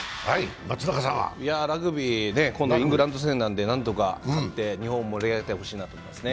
ラグビー、今度、イングランド戦なのでなんとか勝って日本を盛り上げてほしいなと思いますね。